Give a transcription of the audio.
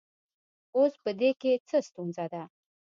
اوس په دې کې څه ستونزه ده